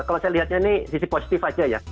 kalau saya lihatnya ini sisi positif aja ya